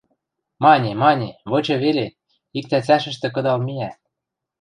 – Мане, мане, вычы веле, иктӓ цӓшӹштӹ кыдал миӓ...